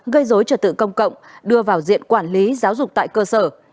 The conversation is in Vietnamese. gây dối trật tự công cộng đưa vào diện quản lý giáo dục tại cơ sở